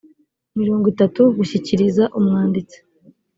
mirongo itatu gushyikiriza umwanditsi